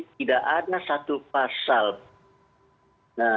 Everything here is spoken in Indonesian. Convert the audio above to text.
tidak ada satu pasangannya